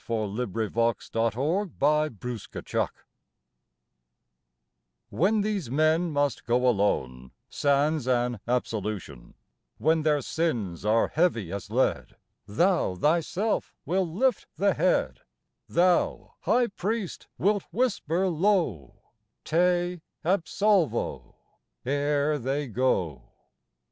56 FLOWER OF YOUTH 11 UNHOUSEL'D, UNANOINTED, UNANEL'D WHEN these men must go alone Sans an absolution, When their sins are heavy as lead, Thou Thyself will lift the head ; Thou, High Priest, wilt whisper low, Te Absolvo ! ere they go.